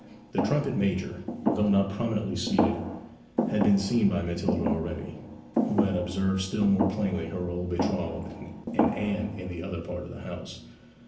The trumpet major, though not prominently seated, had been seen by Matilda already, who had observed still more plainly her old betrothed and Anne in the other part of the house.